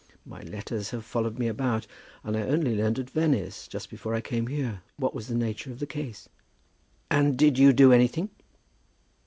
My letters have followed me about, and I only learned at Venice, just before I came here, what was the nature of the case." "And did you do anything?"